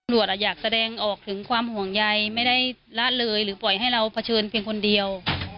อยากแสดงออกถึงความห่วงใยไม่ได้ละเลยหรือปล่อยให้เราเผชิญเพียงคนเดียว